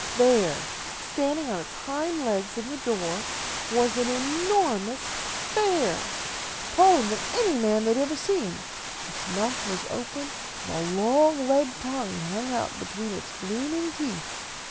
There, standing on its hind legs in the door, was an enormous bear, taller than any man they had ever seen. Its mouth was open, and a long red tongue hung out between its gleaming teeth.